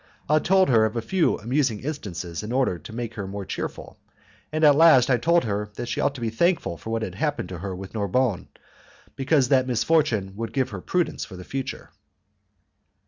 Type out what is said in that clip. I told her a few amusing instances in order to make her more cheerful, and at last I told her that she ought to be thankful for what had happened to her with Narbonne, because that misfortune would give her prudence for the future.